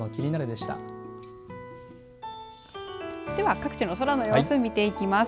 では各地の空の様子見ていきます。